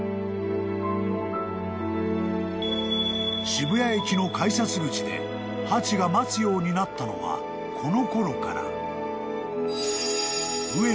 ［渋谷駅の改札口でハチが待つようになったのはこのころから］